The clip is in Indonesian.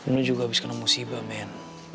lo juga habis kena musibah men